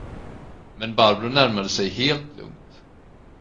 Men Barbro närmade sig helt lugnt.